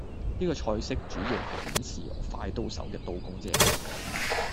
呢個菜式主要係顯示我快刀手嘅刀工啫